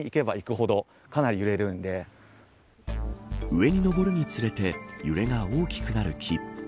上に登るにつれて揺れが大きくなる木。